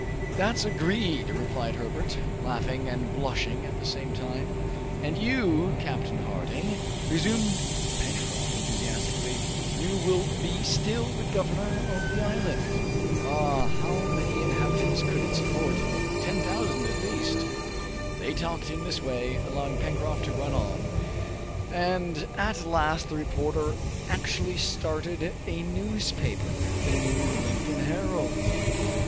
"That's agreed," replied Herbert, laughing and blushing at the same time. "And you, Captain Harding," resumed Pencroft enthusiastically, "you will be still the governor of the island! Ah, how many inhabitants could it support? Ten thousand at least!" They talked in this way, allowing Pencroft to run on, and at last the reporter actually started a newspaper the New Lincoln Herald!